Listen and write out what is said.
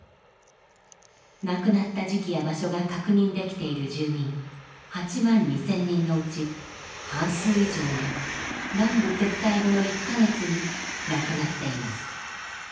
亡くなった時期や場所が確認できている住民８万２，０００人のうち半数以上が南部撤退後の１か月に亡くなっています。